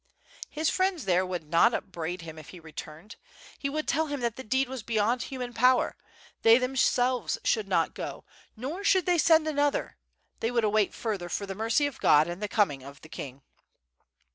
His friends there would not upbraid him if he returned. He would tell them that the deed was 76o WITH FIRE AND SWORD. beyond human power, they themselves should not go, nor should they send another, they would await further for the mercy of God and the coming of the king.